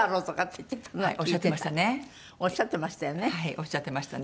おっしゃってましたね。